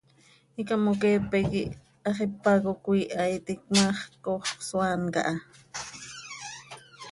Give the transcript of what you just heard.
Icamoqueepe quih hax ipac oo cöiiha iti, cmaax coox cösoaan caha.